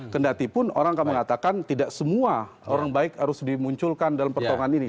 kendatipun orang akan mengatakan tidak semua orang baik harus dimunculkan dalam pertolongan ini